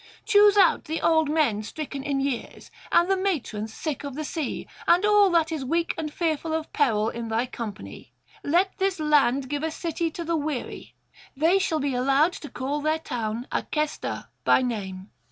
Choose out the old men stricken in years, and the matrons sick of the sea, and all that is weak and fearful of peril in thy company. Let this land give a city to the weary; they shall be allowed to call their town Acesta by name.'